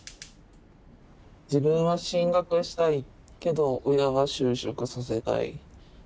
自分は進学したいけど親は就職させたい。